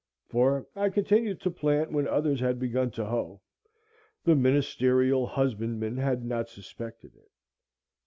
—for I continued to plant when others had begun to hoe,—the ministerial husbandman had not suspected it.